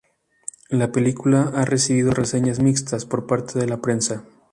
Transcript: La película ha recibido reseñas mixtas por parte de la prensa.